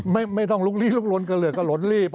ไม่ต้องลุกลี้ลุกลนกระเหลือกะหลนรีบ